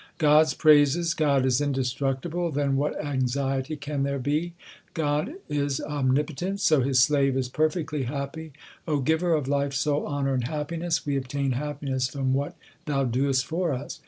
God s praises : God is indestructible, then what anxiety can there be ? x God is Omnipotent, so His slave is perfectly happy. Giver of life, soul, honour, and happiness, we obtain happiness from what Thou doest for us.